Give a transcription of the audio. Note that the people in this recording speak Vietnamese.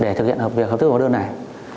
để thực hiện hợp việc hợp thức hóa đơn này